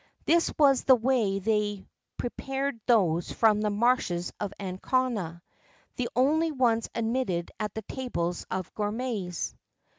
This was the way they prepared those from the marshes of Ancona the only ones admitted at the tables of gourmets.